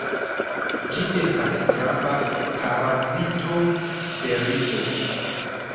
Ĝi estas grava parazito de rizo.